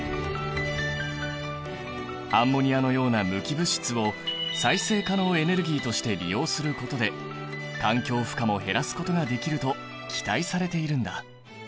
アンモニアのような無機物質を再生可能エネルギーとして利用することで環境負荷も減らすことができると期待されているんだ。